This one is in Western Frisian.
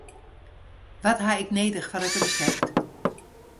Wat haw ik nedich foar it resept?